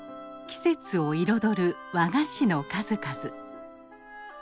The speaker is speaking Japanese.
季節を彩る和菓子の数々。